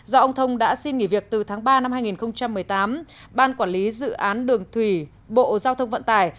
do ông thông đã xin nghỉ việc từ tháng ba năm hai nghìn một mươi tám ban quản lý dự án đường thủy bộ giao thông vận tải